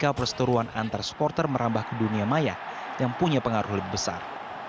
ketika perseteruan antar supporter merambah ke dunia maya yang punya pengaruh lebih besar